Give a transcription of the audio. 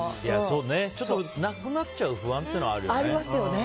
ちょっと、なくなっちゃうと不安っていうのはあるよね。